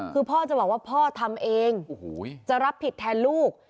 คือพ่อจะบอกว่าพ่อทำเองจะรับผิดแทนลูก